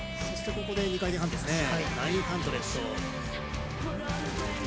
そしてここで２回転半ですね。